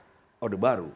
pikiran khas oh udah baru